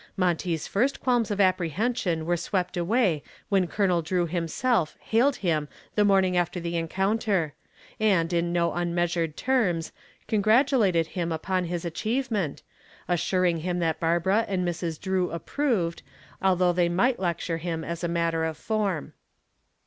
Monty's first qualms of apprehension were swept away when Colonel Drew himself hailed him the morning after the encounter and, in no unmeasured terms, congratulated him upon his achievement, assuring him that Barbara and Mrs. Drew approved, although they might lecture him as a matter of form.